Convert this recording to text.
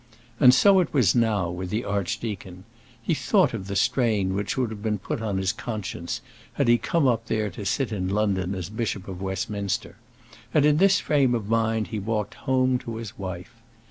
And so it was now with the archdeacon. He thought of the strain which would have been put on his conscience had he come up there to sit in London as Bishop of Westminster; and in this frame of mind he walked home to his wife.